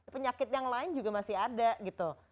penyakit yang lain juga masih ada gitu